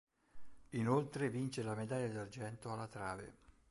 Inoltre vince la medaglia d'argento alla trave.